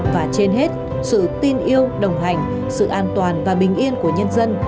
và trên hết sự tin yêu đồng hành sự an toàn và bình yên của nhân dân